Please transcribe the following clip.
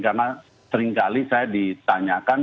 karena seringkali saya ditanyakan